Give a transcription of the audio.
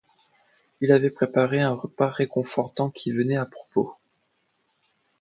Il avait préparé un repas réconfortant qui venait à propos.